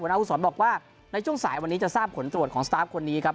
หน้ากุศรบอกว่าในช่วงสายวันนี้จะทราบผลตรวจของสตาฟคนนี้ครับ